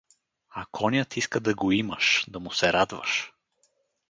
А конят иска да го имаш, да му се радваш.